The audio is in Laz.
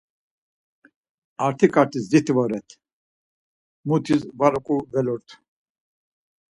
Art̆iǩatis ziti voret, mutis var oǩuvelurt.